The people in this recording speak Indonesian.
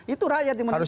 itu rakyat yang menentukan